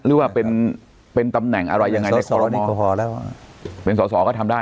หรือว่าเป็นเป็นตำแหน่งอะไรยังไงในกรณีเป็นสอสอก็ทำได้